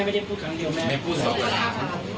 ไม่ได้พูดครั้งเดียว